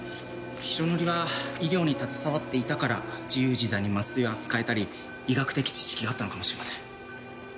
白塗りは医療に携わっていたから自由自在に麻酔を扱えたり医学的知識があったのかもしれません。